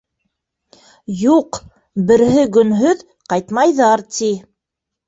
— Юҡ, берһегөнһөҙ ҡайтмайҙар, ти.